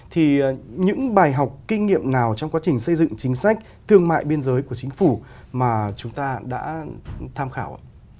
thì những bài học kinh nghiệm nào trong quá trình xây dựng chính sách thương mại biên giới của chính phủ mà chúng ta đã tham khảo